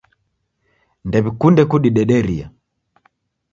Ndewikunde kudidederia.